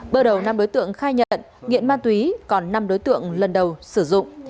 bước đầu năm đối tượng khai nhận nghiện ma túy còn năm đối tượng lần đầu sử dụng